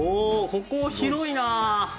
ここ広いな！